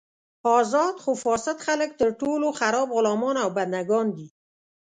ازاد خو فاسد خلک تر ټولو خراب غلامان او بندګان دي.